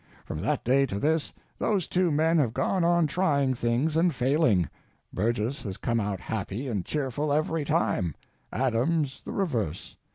From that day to this, those two men have gone on trying things and failing: Burgess has come out happy and cheerful every time; Adams the reverse.